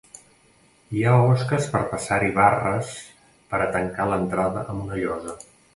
Hi ha osques per passar-hi barres per a tancar l'entrada amb una llosa.